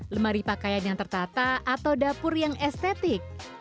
lemari pakaian yang tertata atau dapur yang estetik